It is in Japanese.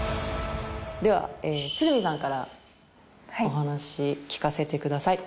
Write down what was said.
では鶴見さんからお話聞かせてください。